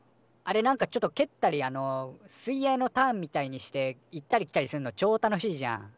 あれなんかちょっとけったりあの水泳のターンみたいにして行ったり来たりすんのちょ楽しいじゃん。